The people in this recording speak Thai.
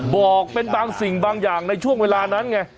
บอกเป็นบางสิ่งบางอย่างในช่วงเวลานั้นไง